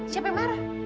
siapa yang marah